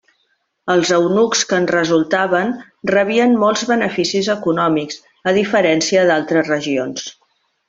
Els eunucs que en resultaven rebien molts beneficis econòmics, a diferència d'altres regions.